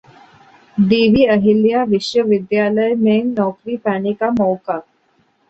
देवी अहिल्या विश्वविद्यालय में नौकरी पाने का मौका